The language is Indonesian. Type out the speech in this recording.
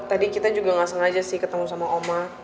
tadi kita juga gak sengaja sih ketemu sama oma